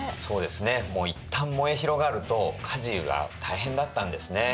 もういったん燃え広がると火事が大変だったんですね。